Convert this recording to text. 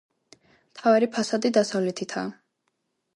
მთავარი ფასადი დასავლეთითაა.